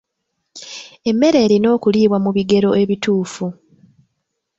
Emmere erina okuliibwa mu bigero ebituufu.